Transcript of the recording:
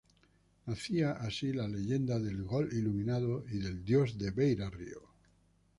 Nacía así la leyenda del "Gol Iluminado" y del Dios de Beira Rio.